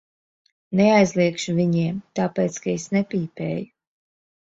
Neaizliegšu viņiem, tāpēc ka es nepīpēju.